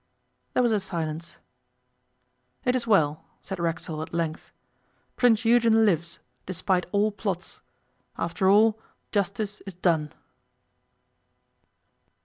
There was a silence. 'It is well,' said Racksole at length. 'Prince Eugen lives, despite all plots. After all, justice is done.